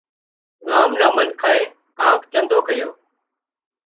ڳام نان منکانئين ڪانڪ چندو ڪريو